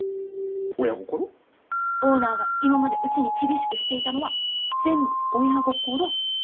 オーナーが今までうちに厳しくしていたのは全部親心。